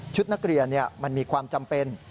ชุดนักเรียนเนี่ยมันมีความจำเป็น